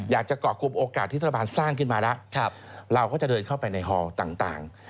อยากจะเกาะกลุ่มโอกาสที่รัฐบาลสร้างขึ้นมาแล้วเราก็จะเดินเข้าไปในฮอลต่าง